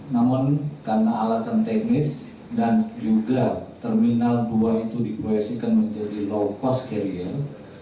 namun karena alasan teknis dan juga terminal dua itu diproyeksikan menjadi low cost carrier